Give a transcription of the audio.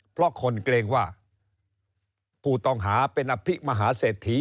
เพราะคนเกรงว่าผู้ต้องหาเป็นอภิมหาเศรษฐี